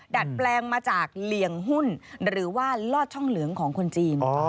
ดัดแปลงมาจากเหลี่ยงหุ้นหรือว่าลอดช่องเหลืองของคนจีน